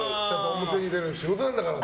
表に出る仕事なんだからって。